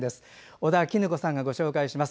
尾田衣子さんがご紹介します。